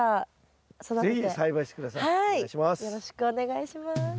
お願いします。